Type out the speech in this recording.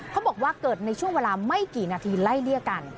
เขาบอกว่าเกิดในช่วงเวลาไม่กี่นาทีไล่เลี่ยกัน